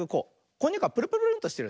こんにゃくはプルプルンとしてるね。